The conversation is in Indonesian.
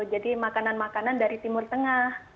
makanan makanan dari timur tengah